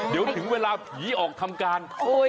เดี๋ยวถึงเวลาผีออกทำการ